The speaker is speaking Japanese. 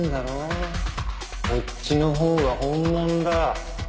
こっちのほうが本物だ。